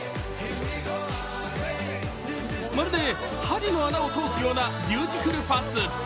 まるで針の穴を通すようなビューティフルパス。